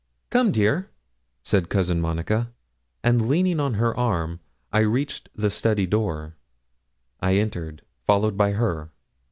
'Come, dear,' said Cousin Monica; and leaning on her arm I reached the study door. I entered, followed by her.